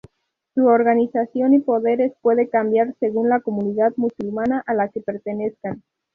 Su organización y poderes puede cambiar según la comunidad musulmana a la que pertenezcan.